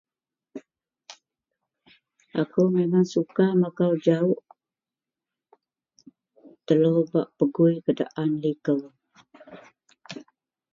akou memang suka makau jauh, telou bak pegui keadaan liko